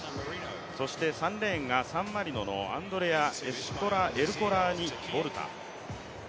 そして３レーンがサンマリノのアンドレア・エルコラーニボルタ。